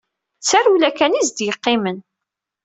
D tarewla kan i s-d-yeqqimen.